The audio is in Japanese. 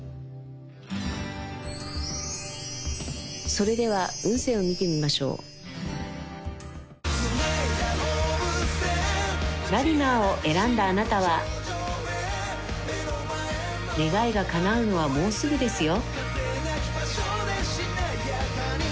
それでは運勢を見てみましょうラリマーを選んだあなたは願いがかなうのはもうすぐですよ